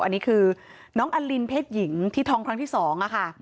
อันนี้คือน้องอลินเพศหญิงที่ท้องครั้งที่๒ค่ะ